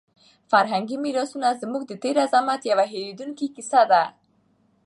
فرهنګي میراثونه زموږ د تېر عظمت یوه نه هېرېدونکې کیسه ده.